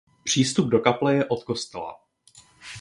Přístup do kaple je od kostela.